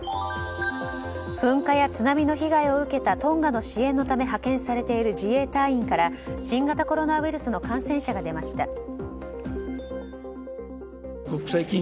噴火や津波の被害を受けたトンガの支援のため派遣されている自衛隊員から新型コロナウイルスの感染者が出ました。